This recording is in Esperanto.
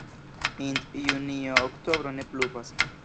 Int junio-oktobro ne pluvas.